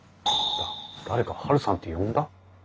誰か「ハルさん」って呼んだ？